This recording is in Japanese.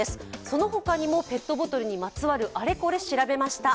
その他にもペットボトルにまつわるあれこれ調べました。